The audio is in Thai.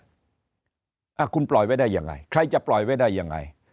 อ่ะคุณปล่อยไว้ได้ยังไงใครจะปล่อยไว้ได้ยังไง